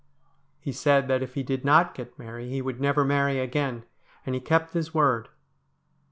He said that if he did not get Mary he would never marry again, and he kept his word.